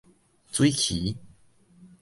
水蜞